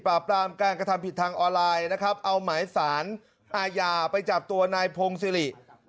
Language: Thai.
ปรามการกระทำผิดทางออนไลน์นะครับเอาหมายสารอาญาไปจับตัวนายพงศิริ